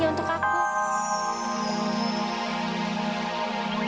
se dukung ke maggi hugh akuntasnya